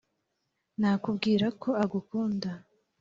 nakubwira ko agukunda